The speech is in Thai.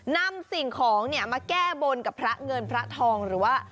นำสิ่งของเนี่ยมาแก้บนกับพระเงินพระทองหรือว่า